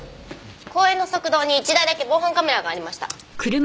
公園の側道に１台だけ防犯カメラがありました。